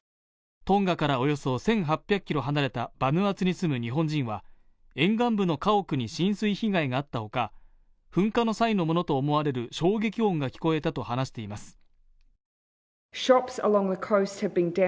トンガからおよそ１８００ｋｍ離れたバヌアツに住む日本人は沿岸部の家屋に浸水被害があったほか、噴火の際のものと思われる衝撃音が聞こえたと話しています。